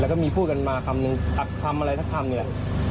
แล้วก็มีพูดกันมาคำนึงตัดคำอะไรสักคำเนี่ย